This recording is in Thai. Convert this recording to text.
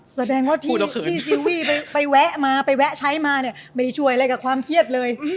แสดงว่าที่ซีวี่ไปแวะมาไปแวะใช้มาเนี่ยไม่ได้ช่วยอะไรกับความเครียดเลย